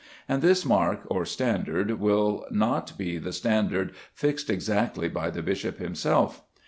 And this mark or standard will not be the standard fixed exactly by the bishop himself.